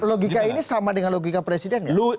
logika ini sama dengan logika presiden